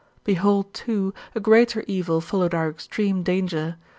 Behold, too, a greater evil followed our extreme danger.